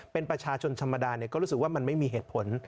เป็นประชาชนธรรมดาก็รู้สึกว่ามันไม่มีเหตุผล